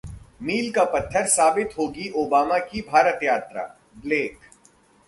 मील का पत्थर साबित होगी ओबामा की भारत-यात्रा: ब्लेक